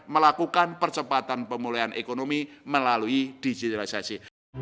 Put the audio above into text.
melakukan percepatan pemulihan ekonomi melalui digitalisasi